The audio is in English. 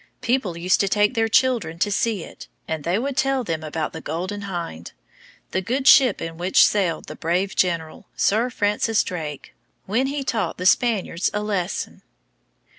People used to take their children to see it, and they would tell them about the Golden Hind, the good ship in which sailed the brave general, Sir Francis Drake, when he taught the Spaniards a lesson.